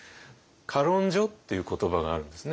「歌論書」っていう言葉があるんですね。